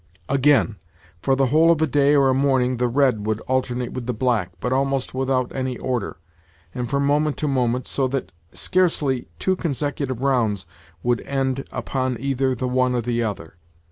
Again, for the whole of a day or a morning the red would alternate with the black, but almost without any order, and from moment to moment, so that scarcely two consecutive rounds would end upon either the one or the other.